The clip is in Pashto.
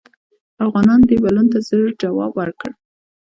افغانانو دې بلنو ته ژر جواب ووایه.